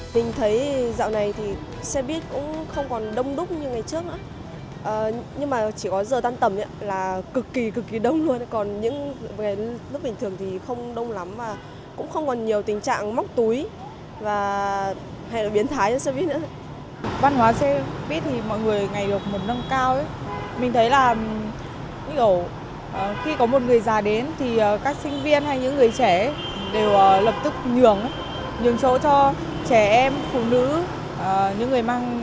khi có một người già đến các sinh viên hay những người trẻ đều lập tức nhường chỗ cho trẻ em phụ nữ những người mang bầu